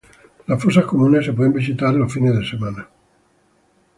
Las fosas comunes se pueden visitar los fines de semana.